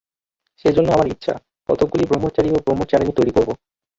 সেজন্য আমার ইচ্ছা, কতকগুলি ব্রহ্মচারী ও ব্রহ্মচারিণী তৈরী করব।